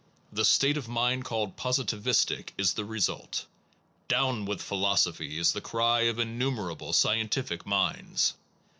The state of mind called positi vistic is the result. Down with philosophy! is the cry of innumerable scientific minds.